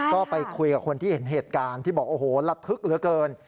ก็ไปคุยกับคนที่เห็นเหตุการณ์ที่บอกโอ้โหระทึกเหลือเกิน